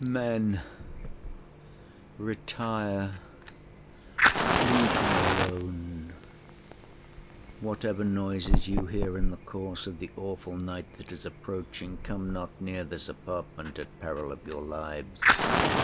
'Men—retire—leave me alone. Whatever noises you hear in the course of the awful night that is approaching, come not near this apartment, at peril of your lives.